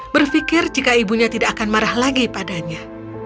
berpikir jika ibunya tidak akan marah lagi padanya